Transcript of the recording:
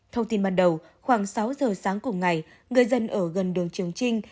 thông tin ban đầu khoảng sáu giờ sáng cùng ngày người dân ở gần đường trường trinh